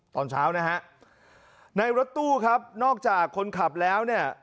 ตอนเช้านะฮะในรถตู้ครับนอกจากคนขับแล้วเนี่ย